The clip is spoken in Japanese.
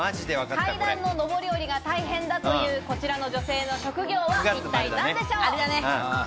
階段の上り下りが大変だという、こちらの女性の職業は一体何でしょう？